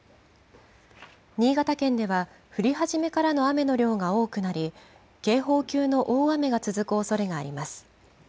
新潟県では降り始めからの雨の量が多くなり、警報級の大雨が続くおそれがあります。